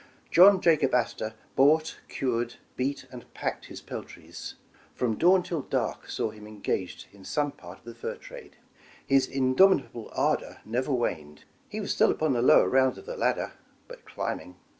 John Jacob Astor bought, cured, beat and packed his peltries. From dawn till dark saw him engaged in some part of the fur trade. His indomitable ardor never waned. He was still upon the lower rounds of the ladder, but climbing.